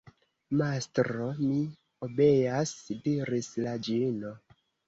Mastro, mi obeas, diris la ĝino.